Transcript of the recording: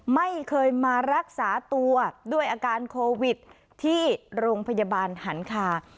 ไม่เคยมารักษาตัวด้วยอาการโควิดที่โรงพยาบาลหันคา